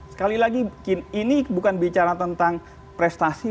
sekali lagi ini bukan bicara tentang prestasi